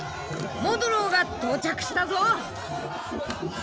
モドゥローが到着したぞ。